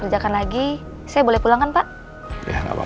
sudah kamu boleh pulang sekarang